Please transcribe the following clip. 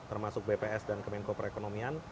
termasuk bps dan kemenko perekonomian